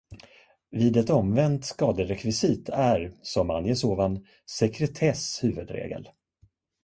Vid ett omvänt skaderekvisit är, som anges ovan, sekretess huvudregel.